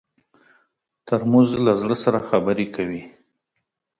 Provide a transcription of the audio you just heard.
ترموز له زړه سره خبرې کوي.